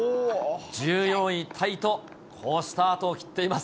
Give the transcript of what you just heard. １４位タイと好スタートを切っています。